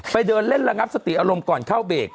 ไปเดินเล่นระงับสติอารมณ์ก่อนเข้าเบรก